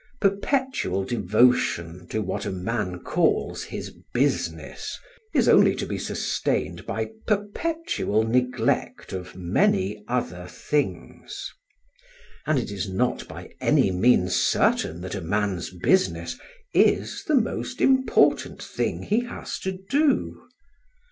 Perpetual devotion to what a man calls his business, is only to be sustained by perpetual neglect of many other things. And it is not by any means certain that a man's business is the most important thing he has to do.